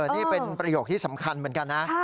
นี่เป็นประโยคที่สำคัญเหมือนกันนะ